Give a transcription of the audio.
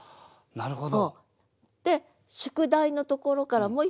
なるほど。